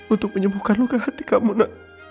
untuk menyembuhkan luka hati kamu nak